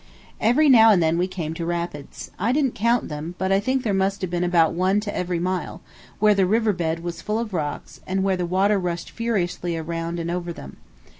Every now and then we came to rapids. I didn't count them, but I think there must have been about one to every mile, where the river bed was full of rocks, and where the water rushed furiously around and over them.